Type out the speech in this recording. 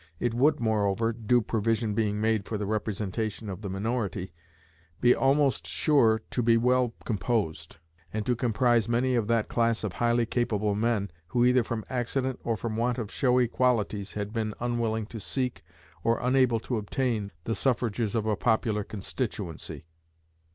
It would, moreover (due provision being made for the representation of the minority), be almost sure to be well composed, and to comprise many of that class of highly capable men who, either from accident or for want of showy qualities, had been unwilling to seek, or unable to obtain, the suffrages of a popular constituency.